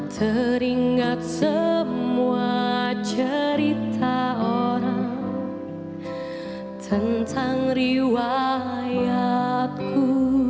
teringat semua cerita orang tentang riwayatku